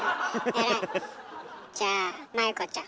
じゃあ麻友子ちゃん